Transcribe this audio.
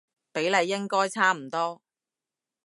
比例應該差唔多